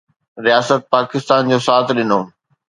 رياست پاڪستان جو ساٿ ڏنو